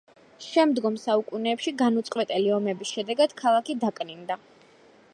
შემდგომ საუკუნეებში განუწყვეტელი ომების შედეგად ქალაქი დაკნინდა.